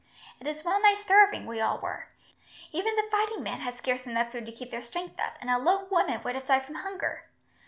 It is well nigh starving we all were. Even the fighting men had scarce enough food to keep their strength up, and a lone woman would have died from hunger.